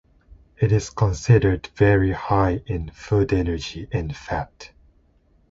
It is considered very high in food energy and fat.